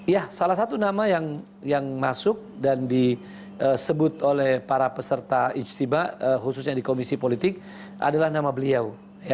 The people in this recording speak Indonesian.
ya salah satu nama yang masuk dan disebut oleh para peserta ijtima khususnya di komisi politik adalah nama beliau